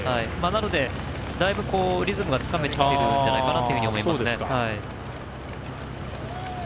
なので、だいぶリズムがつかめてきてるんじゃないかなと思いますね。